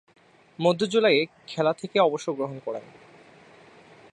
মধ্য-জুলাইয়ে খেলা থেকে অবসর গ্রহণ করেন।